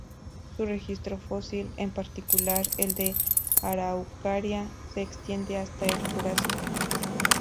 Su registro fósil, en particular el de "Araucaria", se extiende hasta el Jurásico.